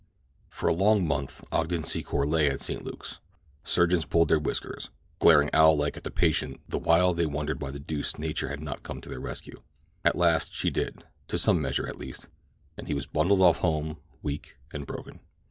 For a long month Ogden Secor lay at St. Luke's. Surgeons pulled their whiskers, glaring owl like at the patient the while they wondered why the deuce nature had not come to their rescue. At last she did—to some measure at least—and he was bundled off home, weak and broken.